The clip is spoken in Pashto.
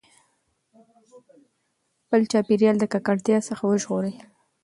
خپل چاپېریال د ککړتیا څخه وژغورئ.